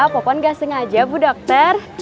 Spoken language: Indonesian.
popon gak sengaja bu dokter